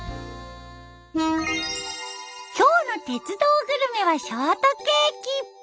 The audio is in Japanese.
今日の「鉄道グルメ」はショートケーキ。